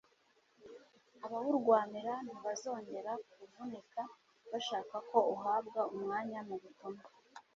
abawurwanira ntibazongera kuvunika bashaka ko uhabwa umwanya mu butumwa